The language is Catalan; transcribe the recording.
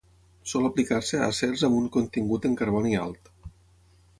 Sol aplicar-se a acers amb un contingut en carboni alt.